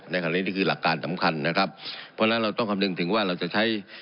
ในขณะนี้นี่คือหลักการสำคัญนะครับเพราะฉะนั้นเราต้องคำนึงถึงว่าเราจะใช้